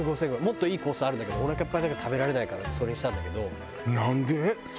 もっといいコースあるんだけどおなかいっぱい食べられないからそれにしたんだけど。